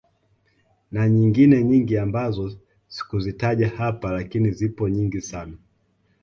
Na nyingine nyingi ambazo sikuzitaja hapa lakini zipo nyingi sana